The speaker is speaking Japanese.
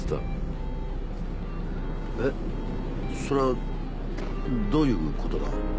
そりゃどういうことだ？